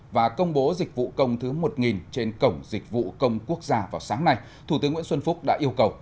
và công bố dịch vụ công thứ một trên cổng dịch vụ công quốc gia vào sáng nay thủ tướng nguyễn xuân phúc đã yêu cầu